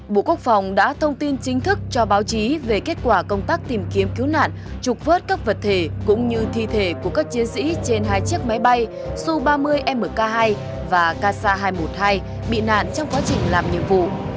bộ quốc phòng đã thông tin chính thức cho báo chí về kết quả công tác tìm kiếm cứu nạn trục vớt các vật thể cũng như thi thể của các chiến sĩ trên hai chiếc máy bay su ba mươi mk hai và kc hai trăm một mươi hai bị nạn trong quá trình làm nhiệm vụ